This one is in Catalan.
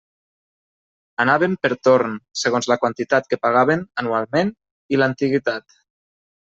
Anaven per torn, segons la quantitat que pagaven anualment i l'antiguitat.